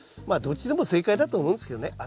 まあどっちでも正解だと思うんですけどね。